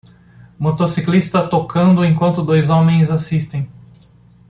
Motociclista tocando enquanto dois homens assistem